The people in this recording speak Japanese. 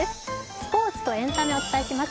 スポーツとエンタメをお伝えします。